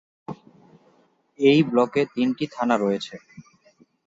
এই ব্লকে তিনটি থানা রয়েছে।